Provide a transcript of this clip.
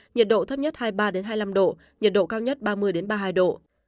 nhiệt độ thấp nhất hai mươi ba hai mươi năm độ nhiệt độ cao nhất ba mươi ba mươi hai độ